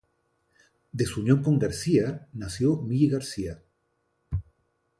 De su unión con García nació Migue García.